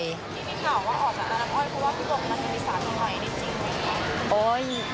มีข่าวว่าออกจากอาร์นาบอยคือว่าพี่โบมันเป็นพี่สามีใหม่จริงหรือเปล่า